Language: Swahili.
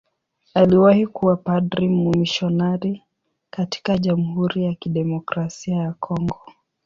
Aliwahi kuwa padri mmisionari katika Jamhuri ya Kidemokrasia ya Kongo.